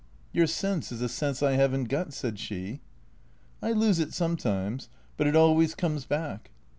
" Your sense is a sense I have n't got," said she. " I lose it sometimes. But it always comes back."